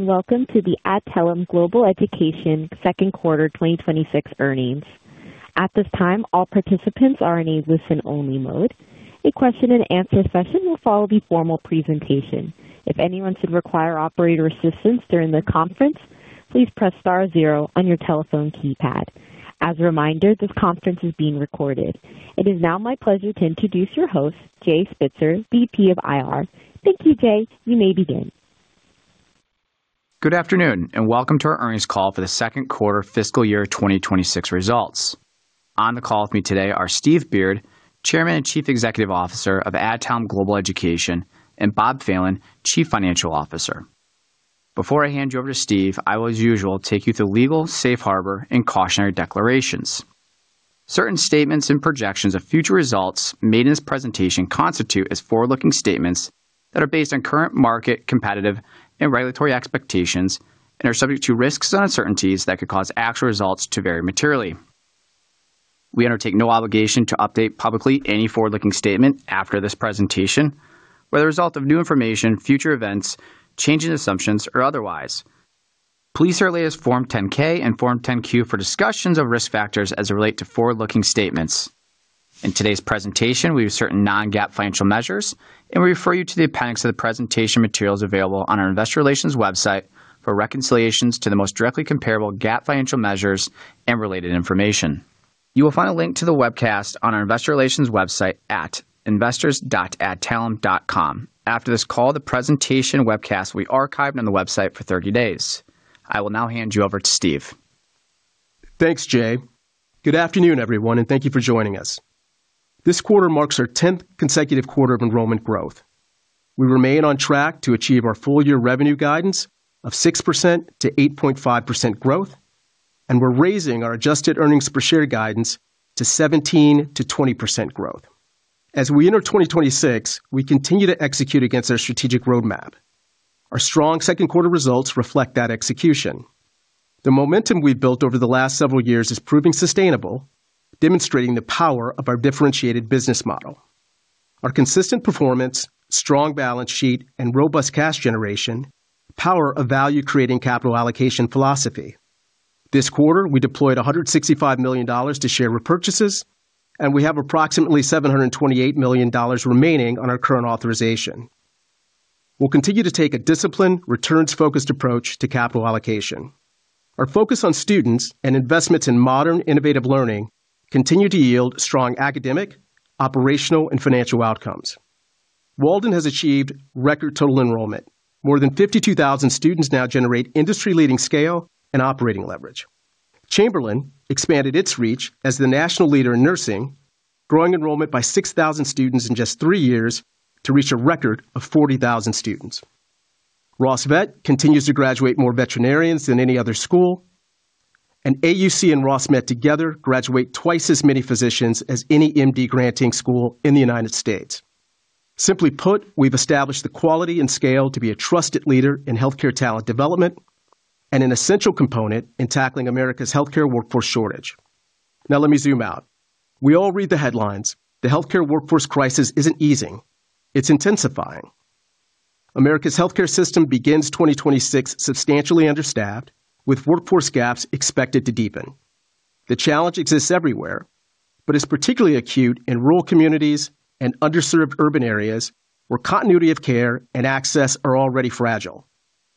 ...Welcome to the Adtalem Global Education second quarter 2026 earnings. At this time, all participants are in a listen-only mode. A question and answer session will follow the formal presentation. If anyone should require operator assistance during the conference, please press star zero on your telephone keypad. As a reminder, this conference is being recorded. It is now my pleasure to introduce your host, Jay Spitzer, VP of IR. Thank you, Jay. You may begin. Good afternoon, and welcome to our earnings call for the second quarter fiscal year 2026 results. On the call with me today are Steve Beard, Chairman and Chief Executive Officer of Adtalem Global Education, and Bob Phelan, Chief Financial Officer. Before I hand you over to Steve, I will, as usual, take you through legal, safe harbor, and cautionary declarations. Certain statements and projections of future results made in this presentation constitute as forward-looking statements that are based on current market, competitive, and regulatory expectations and are subject to risks and uncertainties that could cause actual results to vary materially. We undertake no obligation to update publicly any forward-looking statement after this presentation, whether the result of new information, future events, changes in assumptions, or otherwise. Please see our latest Form 10-K and Form 10-Q for discussions of risk factors as they relate to forward-looking statements. In today's presentation, we have certain non-GAAP financial measures, and we refer you to the appendix of the presentation materials available on our investor relations website for reconciliations to the most directly comparable GAAP financial measures and related information. You will find a link to the webcast on our investor relations website at investors.adtalem.com. After this call, the presentation webcast will be archived on the website for 30 days. I will now hand you over to Steve. Thanks, Jay. Good afternoon, everyone, and thank you for joining us. This quarter marks our 10th consecutive quarter of enrollment growth. We remain on track to achieve our full-year revenue guidance of 6%-8.5% growth, and we're raising our adjusted earnings per share guidance to 17%-20% growth. As we enter 2026, we continue to execute against our strategic roadmap. Our strong second quarter results reflect that execution. The momentum we've built over the last several years is proving sustainable, demonstrating the power of our differentiated business model. Our consistent performance, strong balance sheet, and robust cash generation power a value-creating capital allocation philosophy. This quarter, we deployed $165,000,000 to share repurchases, and we have approximately $728,000,000 remaining on our current authorization. We'll continue to take a disciplined, returns-focused approach to capital allocation. Our focus on students and investments in modern, innovative learning continue to yield strong academic, operational, and financial outcomes. Walden has achieved record total enrollment. More than 52,000 students now generate industry-leading scale and operating leverage. Chamberlain expanded its reach as the national leader in nursing, growing enrollment by 6,000 students in just 3 years to reach a record of 40,000 students. Ross Vet continues to graduate more veterinarians than any other school, and AUC and Ross Med together graduate twice as many physicians as any MD-granting school in the United States. Simply put, we've established the quality and scale to be a trusted leader in healthcare talent development and an essential component in tackling America's healthcare workforce shortage. Now, let me zoom out. We all read the headlines. The healthcare workforce crisis isn't easing. It's intensifying. America's healthcare system begins 2026 substantially understaffed, with workforce gaps expected to deepen. The challenge exists everywhere, but is particularly acute in rural communities and underserved urban areas where continuity of care and access are already fragile.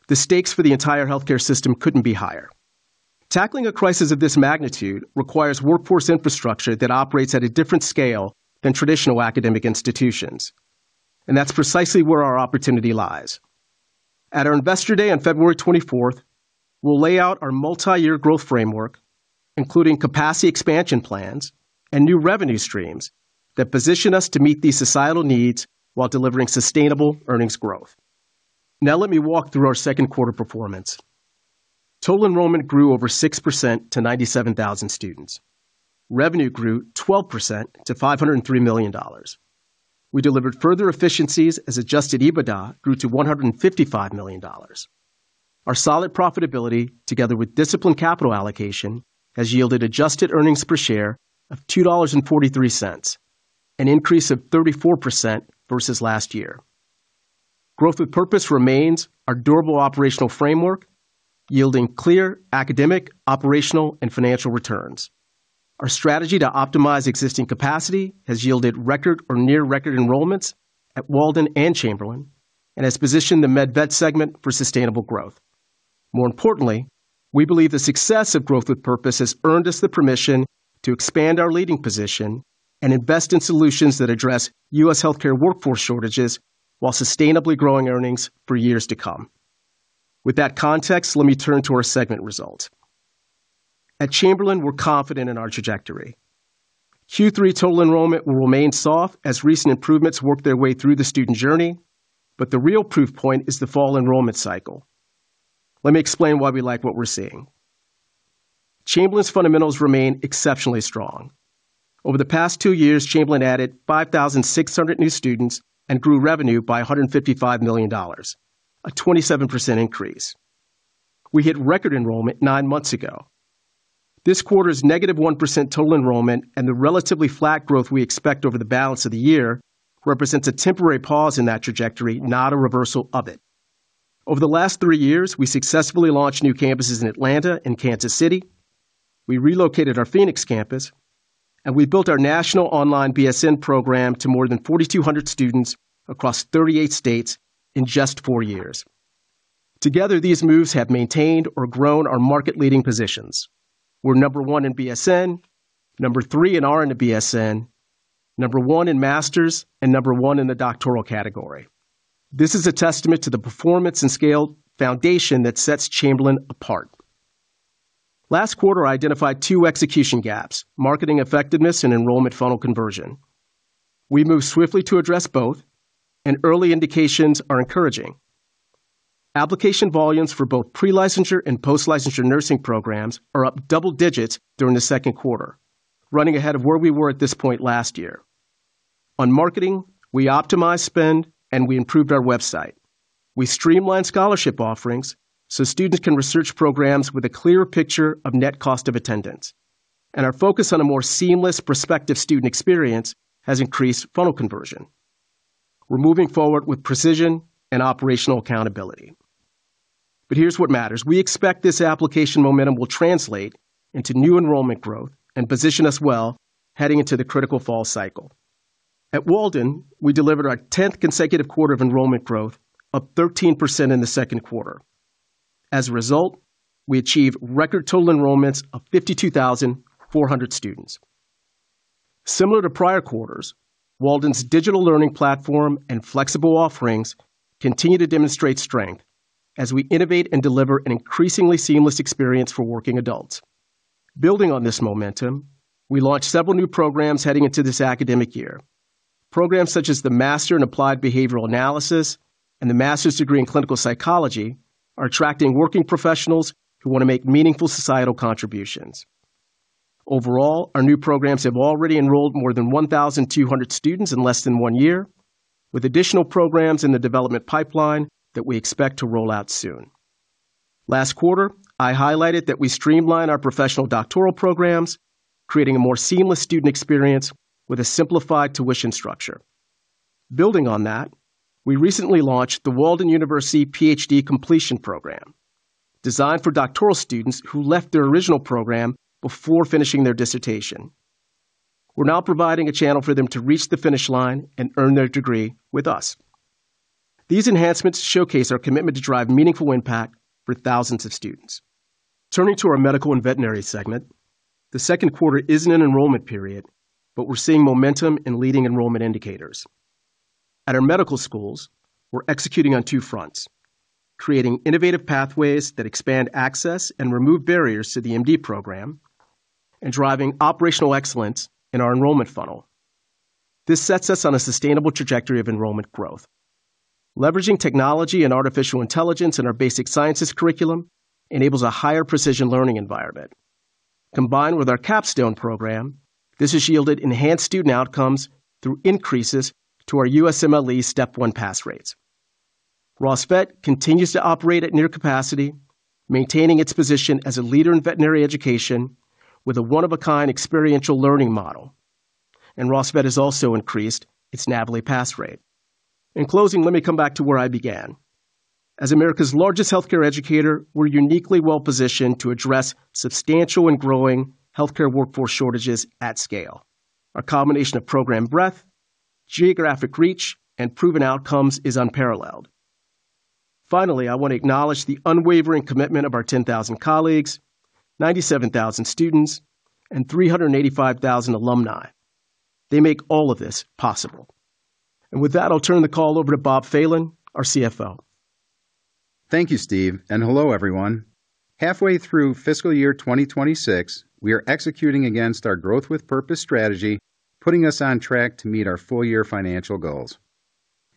The stakes for the entire healthcare system couldn't be higher. Tackling a crisis of this magnitude requires workforce infrastructure that operates at a different scale than traditional academic institutions, and that's precisely where our opportunity lies. At our Investor Day on February 24th, we'll lay out our multi-year growth framework, including capacity expansion plans and new revenue streams that position us to meet these societal needs while delivering sustainable earnings growth. Now, let me walk through our second quarter performance. Total enrollment grew over 6% to 97,000 students. Revenue grew 12% to $503 million. We delivered further efficiencies as Adjusted EBITDA grew to $155,000,000. Our solid profitability, together with disciplined capital allocation, has yielded adjusted earnings per share of $2.43, an increase of 34% versus last year. Growth with Purpose remains our durable operational framework, yielding clear academic, operational, and financial returns. Our strategy to optimize existing capacity has yielded record or near-record enrollments at Walden and Chamberlain and has positioned the Med Vet segment for sustainable growth. More importantly, we believe the success of Growth with Purpose has earned us the permission to expand our leading position and invest in solutions that address U.S. healthcare workforce shortages while sustainably growing earnings for years to come. With that context, let me turn to our segment results. At Chamberlain, we're confident in our trajectory. Q3 total enrollment will remain soft as recent improvements work their way through the student journey, but the real proof point is the fall enrollment cycle. Let me explain why we like what we're seeing. Chamberlain's fundamentals remain exceptionally strong. Over the past two years, Chamberlain added 5,600 new students and grew revenue by $155,000,000, a 27% increase. We hit record enrollment nine months ago. This quarter's -1% total enrollment and the relatively flat growth we expect over the balance of the year represents a temporary pause in that trajectory, not a reversal of it. Over the last three years, we successfully launched new campuses in Atlanta and Kansas City. We relocated our Phoenix campus, and we built our national online BSN program to more than 4,200 students across 38 states in just four years. Together, these moves have maintained or grown our market-leading positions. We're number 1 in BSN, number 3 in RN to BSN, number 1 in master's, and number 1 in the doctoral category. This is a testament to the performance and scale foundation that sets Chamberlain apart. Last quarter, I identified 2 execution gaps: marketing effectiveness and enrollment funnel conversion. We moved swiftly to address both, and early indications are encouraging. Application volumes for both pre-licensure and post-licensure nursing programs are up double digits during the second quarter, running ahead of where we were at this point last year. On marketing, we optimized spend and we improved our website. We streamlined scholarship offerings so students can research programs with a clearer picture of net cost of attendance. And our focus on a more seamless prospective student experience has increased funnel conversion. We're moving forward with precision and operational accountability. But here's what matters: we expect this application momentum will translate into new enrollment growth and position us well heading into the critical fall cycle. At Walden, we delivered our tenth consecutive quarter of enrollment growth, up 13% in the second quarter. As a result, we achieved record total enrollments of 52,400 students. Similar to prior quarters, Walden's digital learning platform and flexible offerings continue to demonstrate strength as we innovate and deliver an increasingly seamless experience for working adults. Building on this momentum, we launched several new programs heading into this academic year. Programs such as the Master in Applied Behavior Analysis and the master's degree in Clinical Psychology are attracting working professionals who want to make meaningful societal contributions. Overall, our new programs have already enrolled more than 1,200 students in less than one year, with additional programs in the development pipeline that we expect to roll out soon. Last quarter, I highlighted that we streamline our professional doctoral programs, creating a more seamless student experience with a simplified tuition structure. Building on that, we recently launched the Walden University PhD Completion Program, designed for doctoral students who left their original program before finishing their dissertation. We're now providing a channel for them to reach the finish line and earn their degree with us. These enhancements showcase our commitment to drive meaningful impact for thousands of students. Turning to our Medical and Veterinary segment, the second quarter isn't an enrollment period, but we're seeing momentum in leading enrollment indicators. At our medical schools, we're executing on two fronts: creating innovative pathways that expand access and remove barriers to the MD program, and driving operational excellence in our enrollment funnel. This sets us on a sustainable trajectory of enrollment growth. Leveraging technology and artificial intelligence in our basic sciences curriculum enables a higher precision learning environment. Combined with our capstone program, this has yielded enhanced student outcomes through increases to our USMLE Step 1 pass rates. Ross Vet continues to operate at near capacity, maintaining its position as a leader in veterinary education with a one-of-a-kind experiential learning model. Ross Vet has also increased its NAVLE pass rate. In closing, let me come back to where I began. As America's largest healthcare educator, we're uniquely well-positioned to address substantial and growing healthcare workforce shortages at scale. Our combination of program breadth, geographic reach, and proven outcomes is unparalleled. Finally, I want to acknowledge the unwavering commitment of our 10,000 colleagues, 97,000 students, and 385,000 alumni. They make all of this possible. And with that, I'll turn the call over to Bob Phelan, our CFO. Thank you, Steve, and hello, everyone. Halfway through fiscal year 2026, we are executing against our Growth with Purpose strategy, putting us on track to meet our full-year financial goals.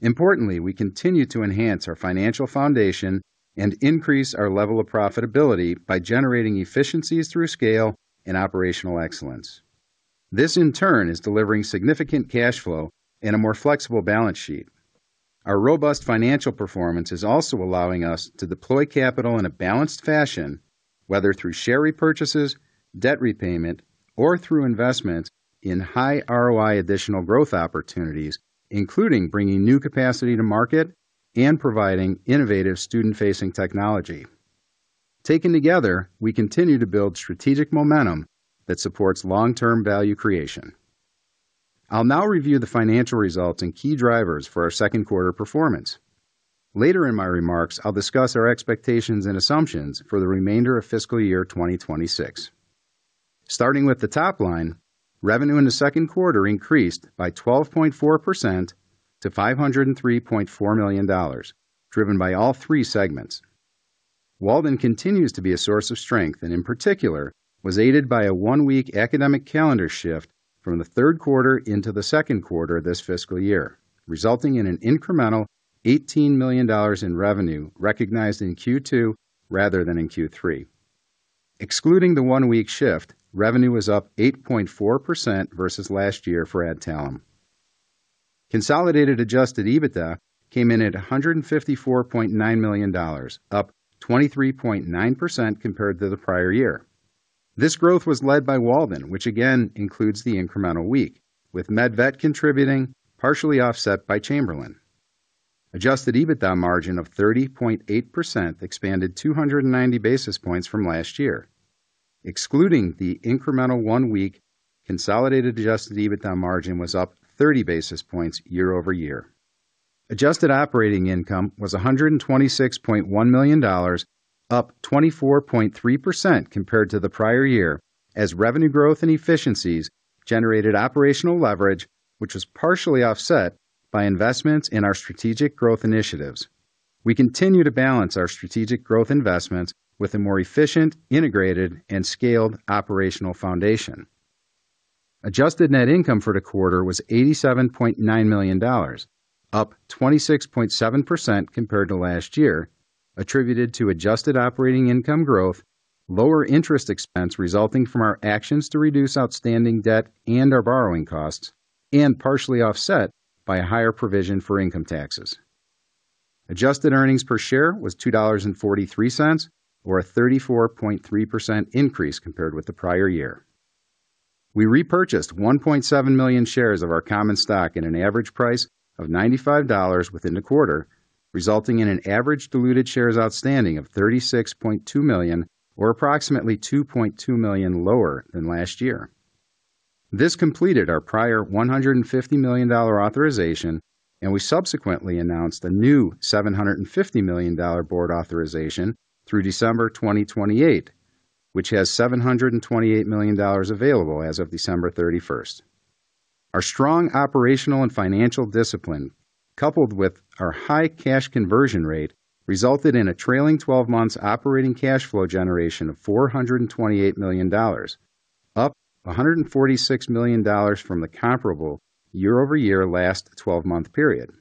Importantly, we continue to enhance our financial foundation and increase our level of profitability by generating efficiencies through scale and operational excellence. This, in turn, is delivering significant cash flow and a more flexible balance sheet. Our robust financial performance is also allowing us to deploy capital in a balanced fashion, whether through share repurchases, debt repayment, or through investment in high ROI additional growth opportunities, including bringing new capacity to market and providing innovative student-facing technology. Taken together, we continue to build strategic momentum that supports long-term value creation. I'll now review the financial results and key drivers for our second quarter performance. Later in my remarks, I'll discuss our expectations and assumptions for the remainder of fiscal year 2026. Starting with the top line, revenue in the second quarter increased by 12.4% to $503.4 million, driven by all three segments. Walden continues to be a source of strength, and in particular, was aided by a one-week academic calendar shift from the third quarter into the second quarter this fiscal year, resulting in an incremental $18,000,000 in revenue recognized in Q2 rather than in Q3. Excluding the one-week shift, revenue was up 8.4% versus last year for Adtalem. Consolidated adjusted EBITDA came in at $154,900,000, up 23.9% compared to the prior year. This growth was led by Walden, which again includes the incremental week, with Med Vet contributing, partially offset by Chamberlain. Adjusted EBITDA margin of 30.8% expanded 290 basis points from last year. Excluding the incremental one week, consolidated adjusted EBITDA margin was up 30 basis points year-over-year. Adjusted operating income was $126.1 million, up 24.3% compared to the prior year, as revenue growth and efficiencies generated operational leverage, which was partially offset by investments in our strategic growth initiatives. We continue to balance our strategic growth investments with a more efficient, integrated, and scaled operational foundation. Adjusted net income for the quarter was $87,900,000, up 26.7% compared to last year, attributed to adjusted operating income growth, lower interest expense resulting from our actions to reduce outstanding debt and our borrowing costs, and partially offset by a higher provision for income taxes. Adjusted earnings per share was $2.43, or a 34.3% increase compared with the prior year. We repurchased 1.7 million shares of our common stock at an average price of $95 within the quarter, resulting in an average diluted shares outstanding of 36,200,000, or approximately 2,200,000 lower than last year. This completed our prior $150,000,000 authorization, and we subsequently announced a new $750,000,000 board authorization through December 2028, which has $728,000,000 available as of December 31st. Our strong operational and financial discipline, coupled with our high cash conversion rate, resulted in a trailing twelve months operating cash flow generation of $428,000,000, up $146,000,000 from the comparable year-over-year last twelve-month period.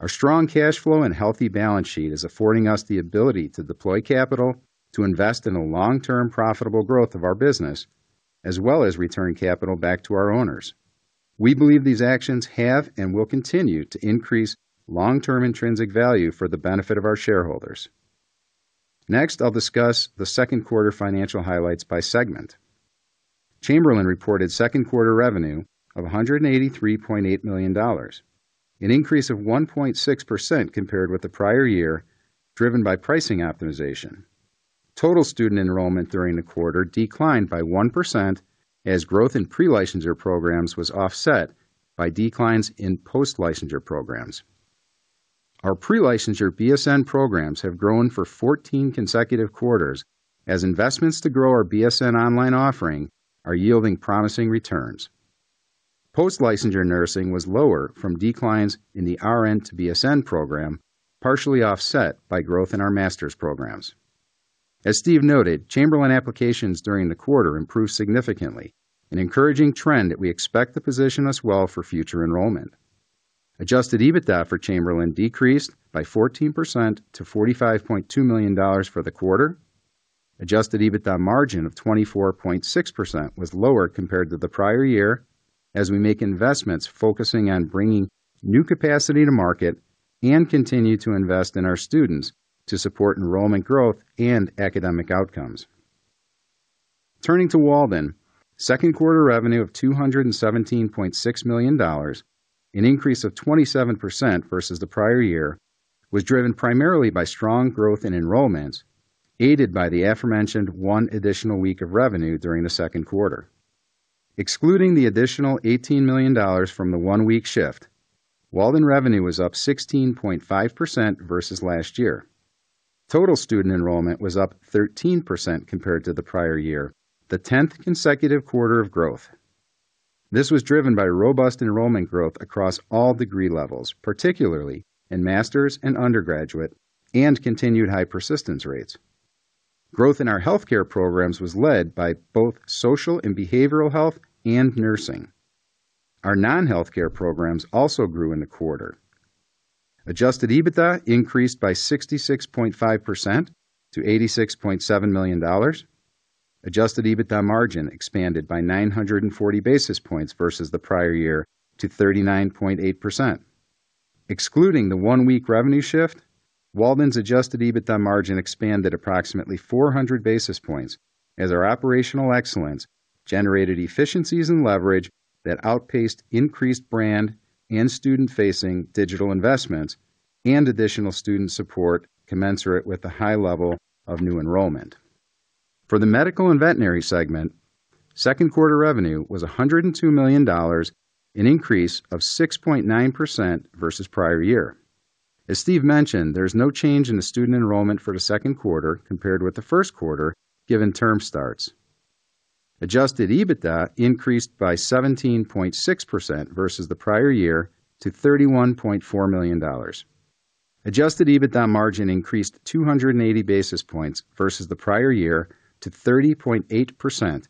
Our strong cash flow and healthy balance sheet is affording us the ability to deploy capital to invest in the long-term profitable growth of our business, as well as return capital back to our owners. We believe these actions have and will continue to increase long-term intrinsic value for the benefit of our shareholders. Next, I'll discuss the second quarter financial highlights by segment. Chamberlain reported second quarter revenue of $183,800,000, an increase of 1.6% compared with the prior year, driven by pricing optimization. Total student enrollment during the quarter declined by 1%, as growth in pre-licensure programs was offset by declines in post-licensure programs. Our pre-licensure BSN programs have grown for 14 consecutive quarters as investments to grow our BSN online offering are yielding promising returns. Post-licensure nursing was lower from declines in the RN to BSN program, partially offset by growth in our master's programs. As Steve noted, Chamberlain applications during the quarter improved significantly, an encouraging trend that we expect to position us well for future enrollment. Adjusted EBITDA for Chamberlain decreased by 14% to $45,200,000 for the quarter. Adjusted EBITDA margin of 24.6% was lower compared to the prior year, as we make investments focusing on bringing new capacity to market and continue to invest in our students to support enrollment growth and academic outcomes. Turning to Walden, second quarter revenue of $217,600,000, an increase of 27% versus the prior year, was driven primarily by strong growth in enrollments, aided by the aforementioned one additional week of revenue during the second quarter. Excluding the additional $18,000,000 from the one-week shift, Walden revenue was up 16.5% versus last year. Total student enrollment was up 13% compared to the prior year, the 10th consecutive quarter of growth. This was driven by robust enrollment growth across all degree levels, particularly in master's and undergraduate, and continued high persistence rates. Growth in our healthcare programs was led by both social and behavioral health and nursing. Our non-healthcare programs also grew in the quarter. Adjusted EBITDA increased by 66.5% to $86,700,000. Adjusted EBITDA margin expanded by 940 basis points versus the prior year to 39.8%. Excluding the one-week revenue shift, Walden's adjusted EBITDA margin expanded approximately 400 basis points as our operational excellence generated efficiencies and leverage that outpaced increased brand and student-facing digital investments and additional student support commensurate with the high level of new enrollment. For the medical and veterinary segment, second quarter revenue was $102,000,000, an increase of 6.9% versus prior year. As Steve mentioned, there's no change in the student enrollment for the second quarter compared with the first quarter, given term starts. Adjusted EBITDA increased by 17.6% versus the prior year to $31,400,000. Adjusted EBITDA margin increased 280 basis points versus the prior year to 30.8%,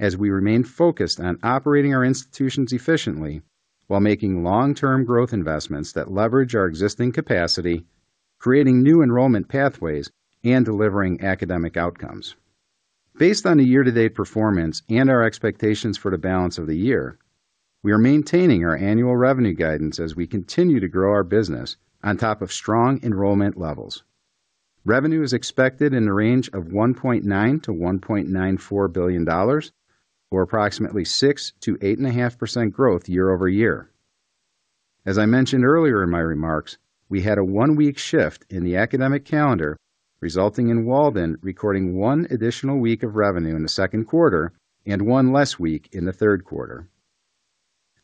as we remain focused on operating our institutions efficiently while making long-term growth investments that leverage our existing capacity, creating new enrollment pathways, and delivering academic outcomes.... Based on the year-to-date performance and our expectations for the balance of the year, we are maintaining our annual revenue guidance as we continue to grow our business on top of strong enrollment levels. Revenue is expected in the range of $1900,000,000-$1,940,000,000, or approximately 6%-8.5% growth year-over-year. As I mentioned earlier in my remarks, we had a 1-week shift in the academic calendar, resulting in Walden recording 1 additional week of revenue in the second quarter and 1 less week in the third quarter.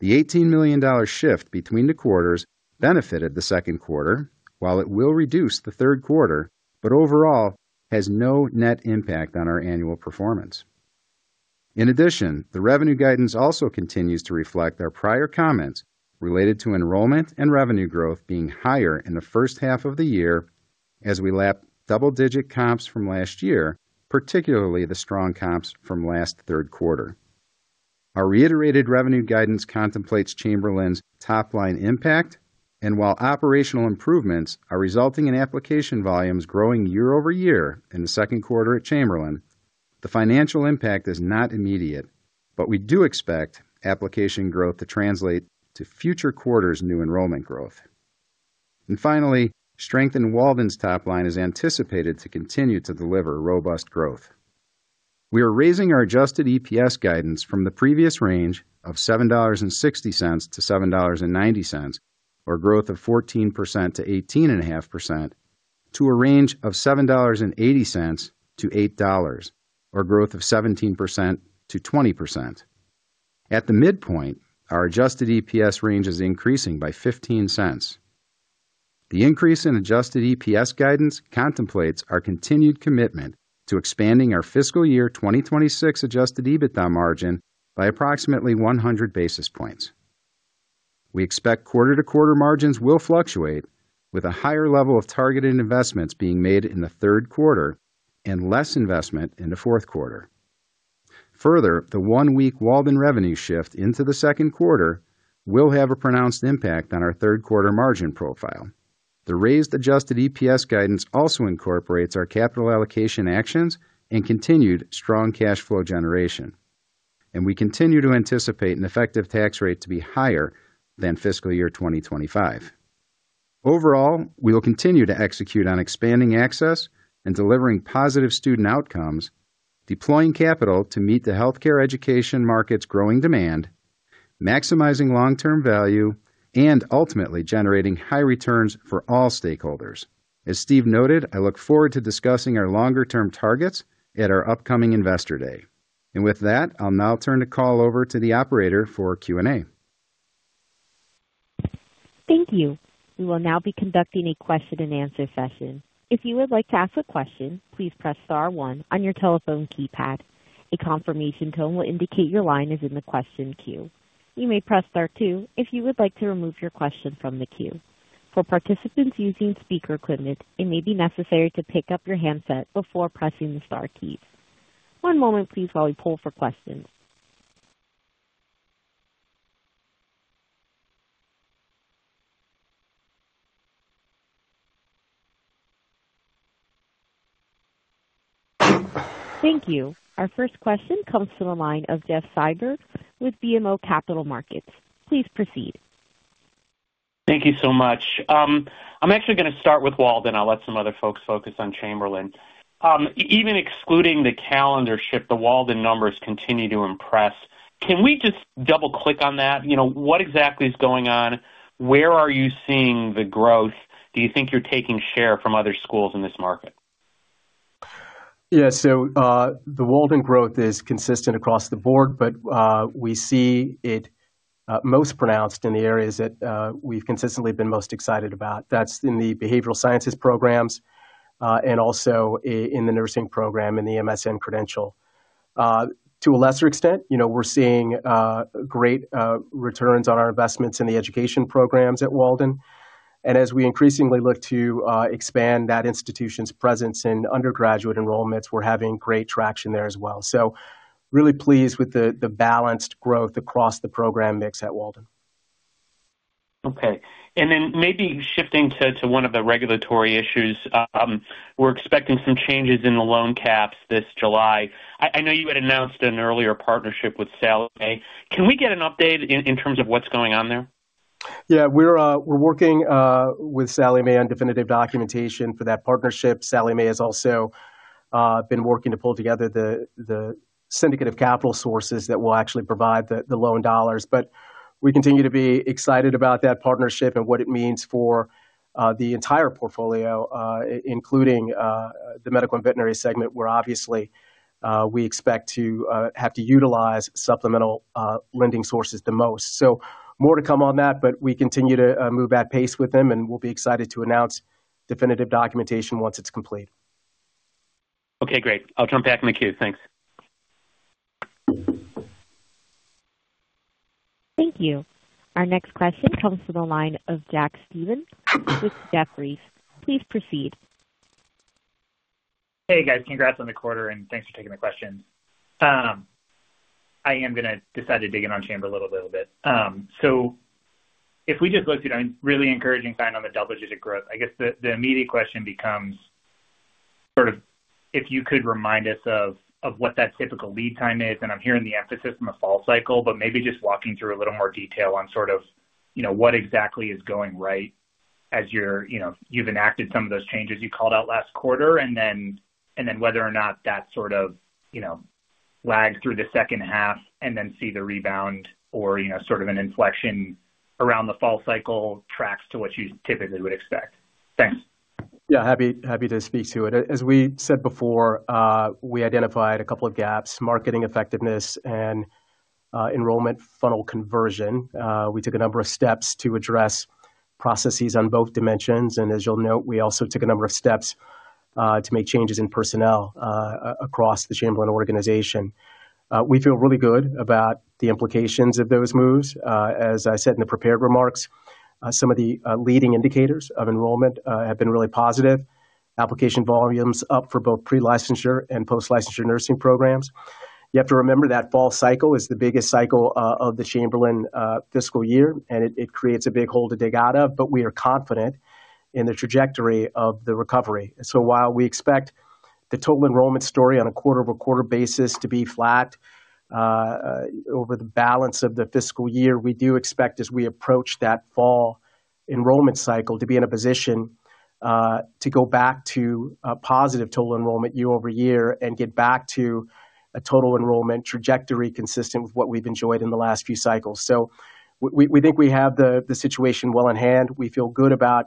The $18,000,000 shift between the quarters benefited the second quarter, while it will reduce the third quarter, but overall has no net impact on our annual performance. In addition, the revenue guidance also continues to reflect our prior comments related to enrollment and revenue growth being higher in the first half of the year as we lap double-digit comps from last year, particularly the strong comps from last third quarter. Our reiterated revenue guidance contemplates Chamberlain's top-line impact, and while operational improvements are resulting in application volumes growing year-over-year in the second quarter at Chamberlain, the financial impact is not immediate, but we do expect application growth to translate to future quarters' new enrollment growth. Finally, strength in Walden's top line is anticipated to continue to deliver robust growth. We are raising our adjusted EPS guidance from the previous range of $7.60-$7.90, or growth of 14%-18.5%, to a range of $7.80-$8, or growth of 17%-20%. At the midpoint, our adjusted EPS range is increasing by $0.15. The increase in adjusted EPS guidance contemplates our continued commitment to expanding our fiscal year 2026 adjusted EBITDA margin by approximately 100 basis points. We expect quarter-to-quarter margins will fluctuate, with a higher level of targeted investments being made in the third quarter and less investment in the fourth quarter. Further, the one-week Walden revenue shift into the second quarter will have a pronounced impact on our third quarter margin profile. The raised adjusted EPS guidance also incorporates our capital allocation actions and continued strong cash flow generation, and we continue to anticipate an effective tax rate to be higher than fiscal year 2025. Overall, we will continue to execute on expanding access and delivering positive student outcomes, deploying capital to meet the healthcare education market's growing demand, maximizing long-term value, and ultimately generating high returns for all stakeholders. As Steve noted, I look forward to discussing our longer-term targets at our upcoming Investor Day. With that, I'll now turn the call over to the operator for Q&A. Thank you. We will now be conducting a question-and-answer session. If you would like to ask a question, please press star one on your telephone keypad. A confirmation tone will indicate your line is in the question queue. You may press star two if you would like to remove your question from the queue. For participants using speaker equipment, it may be necessary to pick up your handset before pressing the star key. One moment, please, while we pull for questions. Thank you. Our first question comes from the line of Jeff Silber with BMO Capital Markets. Please proceed. Thank you so much. I'm actually gonna start with Walden. I'll let some other folks focus on Chamberlain. Even excluding the calendar shift, the Walden numbers continue to impress. Can we just double-click on that? You know, what exactly is going on? Where are you seeing the growth? Do you think you're taking share from other schools in this market? Yeah, so, the Walden growth is consistent across the board, but, we see it, most pronounced in the areas that, we've consistently been most excited about. That's in the behavioral sciences programs, and also in the nursing program, in the MSN credential. To a lesser extent, you know, we're seeing, great, returns on our investments in the education programs at Walden. And as we increasingly look to, expand that institution's presence in undergraduate enrollments, we're having great traction there as well. So really pleased with the balanced growth across the program mix at Walden. Okay, and then maybe shifting to one of the regulatory issues. We're expecting some changes in the loan caps this July. I know you had announced an earlier partnership with Sallie Mae. Can we get an update in terms of what's going on there? Yeah, we're working with Sallie Mae on definitive documentation for that partnership. Sallie Mae has also been working to pull together the syndicate of capital sources that will actually provide the loan dollars. But we continue to be excited about that partnership and what it means for the entire portfolio, including the medical and veterinary segment, where obviously we expect to have to utilize supplemental lending sources the most. So more to come on that, but we continue to move at pace with them, and we'll be excited to announce definitive documentation once it's complete. Okay, great. I'll jump back in the queue. Thanks. Thank you. Our next question comes from the line of Jack Slevin with Jefferies. Please proceed. Hey, guys. Congrats on the quarter, and thanks for taking the question.... I am gonna decide to dig in on Chamberlain a little bit. So if we just looked at a really encouraging sign on the double-digit growth, I guess the immediate question becomes sort of, if you could remind us of what that typical lead time is, and I'm hearing the emphasis from a fall cycle, but maybe just walking through a little more detail on sort of, you know, what exactly is going right as you're, you know, you've enacted some of those changes you called out last quarter, and then whether or not that sort of, you know, lags through the second half and then see the rebound or, you know, sort of an inflection around the fall cycle tracks to what you typically would expect. Thanks. Yeah, happy, happy to speak to it. As we said before, we identified a couple of gaps, marketing effectiveness and enrollment funnel conversion. We took a number of steps to address processes on both dimensions, and as you'll note, we also took a number of steps to make changes in personnel across the Chamberlain organization. We feel really good about the implications of those moves. As I said in the prepared remarks, some of the leading indicators of enrollment have been really positive. Application volumes up for both pre-licensure and post-licensure nursing programs. You have to remember that fall cycle is the biggest cycle of the Chamberlain fiscal year, and it creates a big hole to dig out of, but we are confident in the trajectory of the recovery. So while we expect the total enrollment story on a quarter-over-quarter basis to be flat, over the balance of the fiscal year, we do expect, as we approach that fall enrollment cycle, to be in a position, to go back to a positive total enrollment year-over-year and get back to a total enrollment trajectory consistent with what we've enjoyed in the last few cycles. So we think we have the situation well in hand. We feel good about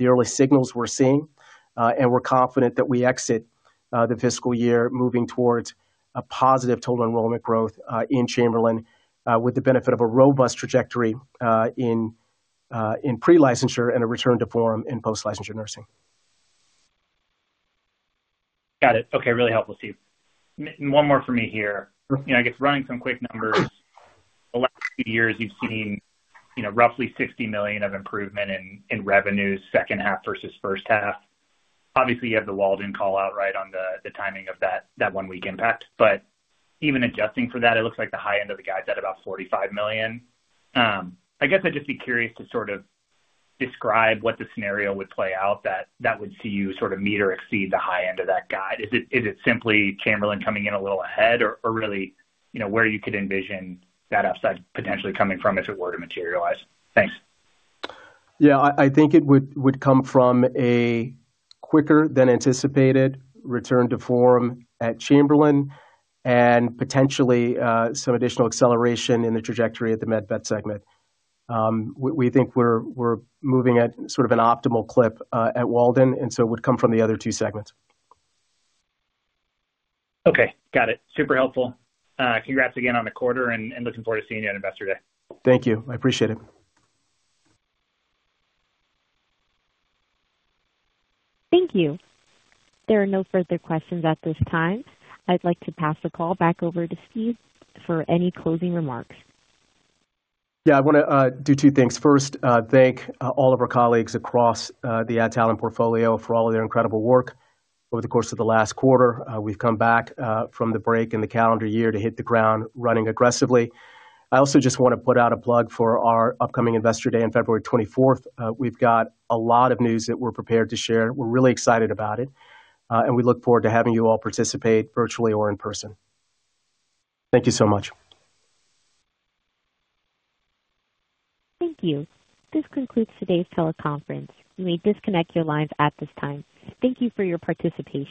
the early signals we're seeing, and we're confident that we exit the fiscal year moving towards a positive total enrollment growth, in Chamberlain, with the benefit of a robust trajectory, in pre-licensure and a return to form in post-licensure nursing. Got it. Okay. Really helpful, Steve. One more for me here. You know, I guess running some quick numbers, the last few years, you've seen, you know, roughly $60,000,000 of improvement in revenues, second half versus first half. Obviously, you have the Walden call out, right, on the timing of that 1-week impact, but even adjusting for that, it looks like the high end of the guide is at about $45,000,000. I guess I'd just be curious to sort of describe what the scenario would play out that would see you sort of meet or exceed the high end of that guide. Is it simply Chamberlain coming in a little ahead or really, you know, where you could envision that upside potentially coming from if it were to materialize? Thanks. Yeah, I think it would come from a quicker than anticipated return to form at Chamberlain and potentially some additional acceleration in the trajectory of the Med Vet segment. We think we're moving at sort of an optimal clip at Walden, and so it would come from the other two segments. Okay, got it. Super helpful. Congrats again on the quarter and looking forward to seeing you at Investor Day. Thank you. I appreciate it. Thank you. There are no further questions at this time. I'd like to pass the call back over to Steve for any closing remarks. Yeah, I wanna do two things. First, thank all of our colleagues across the Adtalem portfolio for all of their incredible work over the course of the last quarter. We've come back from the break in the calendar year to hit the ground, running aggressively. I also just wanna put out a plug for our upcoming Investor Day on February twenty-fourth. We've got a lot of news that we're prepared to share. We're really excited about it, and we look forward to having you all participate virtually or in person. Thank you so much. Thank you. This concludes today's teleconference. You may disconnect your lines at this time. Thank you for your participation.